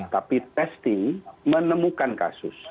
tapi testing menemukan kasus